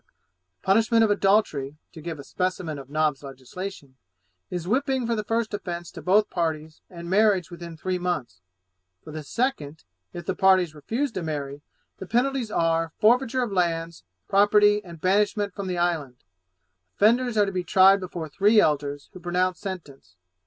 The punishment of adultery, to give a specimen of Nobbs's legislation, is whipping for the first offence to both parties, and marriage within three months; for the second, if the parties refuse to marry, the penalties are, forfeiture of lands, property, and banishment from the island. Offenders are to be tried before three elders, who pronounce sentence.